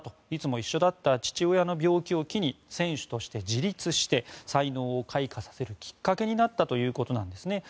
いつも一緒だった父親の病気を機に選手として自立して才能を開花させるきっかけになったということです。